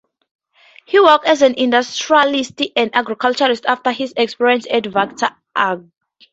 He worked as an industrialist and agriculturist after his experience at Varta Ag.